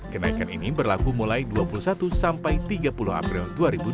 kenaikan ini berlaku mulai dua puluh satu sampai tiga puluh april dua ribu dua puluh